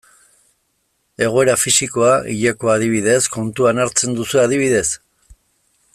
Egoera fisikoa, hilekoa, adibidez, kontuan hartzen duzue adibidez?